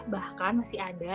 bahkan masih ada